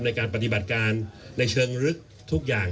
ในการปฏิบัติการในเชิงลึกทุกอย่าง